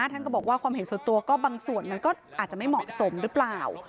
ท่านก็บอกว่าความเห็นส่วนตัวก็บางส่วนมันก็อาจจะไม่เหมาะสมหรือเปล่า